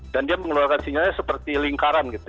dan dia mengeluarkan sinyalnya seperti lingkaran gitu